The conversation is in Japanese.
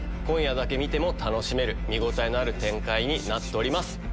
今夜だけ見ても楽しめる見応えのある展開になってます。